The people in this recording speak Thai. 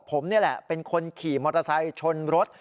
ผมนี่แหละเป็นคนขี่มอเตอร์ไซค์ชนรถ